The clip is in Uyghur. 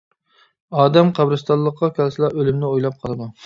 ئادەم قەبرىستانلىققا كەلسىلا ئۆلۈمنى ئويلاپ قالىدۇ.